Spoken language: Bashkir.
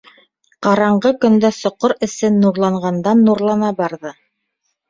Ҡараңғы көндә соҡор эсе нурланғандан-нурлана барҙы.